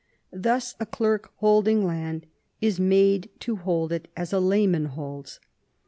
Thus a clerk holding land is made to hold it as a layman holds.